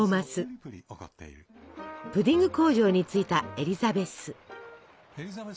プディング工場に着いたエリザベス。